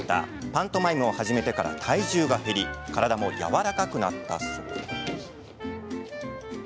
パントマイムを始めてから体重が減り体も、やわらかくなったそう。